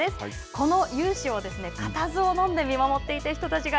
この雄姿を固唾をのんで見守った人たちが